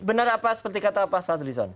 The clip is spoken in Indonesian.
benar apa seperti kata pak fadlizon